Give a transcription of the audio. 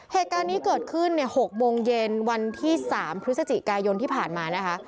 เหตุการณ์นี้เกิดขึ้น๖โมงเย็นวันที่๓พฤศจิกายนที่ผ่านมานะคะ